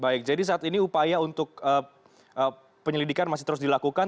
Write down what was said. baik jadi saat ini upaya untuk penyelidikan masih terus dilakukan